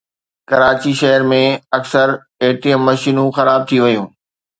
ڪراچي شهر ۾ اڪثر A T M مشينون خراب ٿي ويون